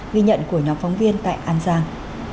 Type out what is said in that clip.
ghi nhận của nhóm phóng viên tại an giang